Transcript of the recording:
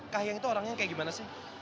kak hiang itu orangnya kayak gimana sih